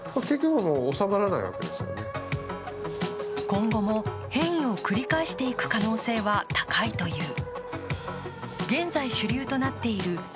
今後も変異を繰り返していく可能性は高いという。